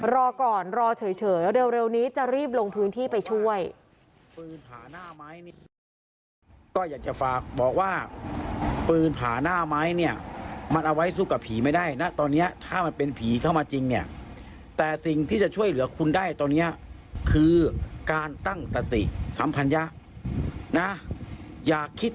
รอก่อนรอเฉยเร็วนี้จะรีบลงพื้นที่ไปช่วย